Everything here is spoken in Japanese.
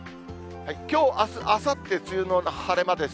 きょう、あす、あさって、梅雨の晴れ間です。